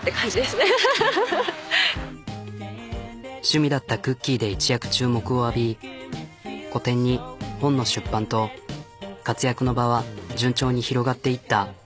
趣味だったクッキーで一躍注目を浴び個展に本の出版と活躍の場は順調に広がっていった。